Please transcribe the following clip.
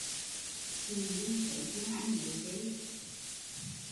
Tự nhiên thấy thương anh nớ ghê!